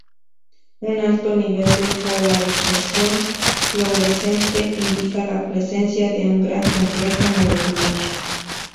Un alto nivel de polarización fluorescente indica la presencia de un gran complejo molecular.